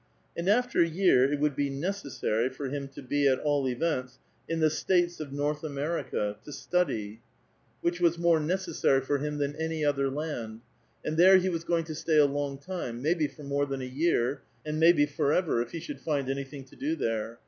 And after a year it would be " necessary " for him to be, wX all events, in the States of North America, to study, which 290 A VITAL QUESTION. was more " necessary " for him than any other land, and there he was going to stay a long time ; maybe for more than a year, and maybe forever, if he should find anything to do there.